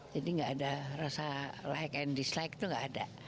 jadi nggak ada rasa like and dislike itu nggak ada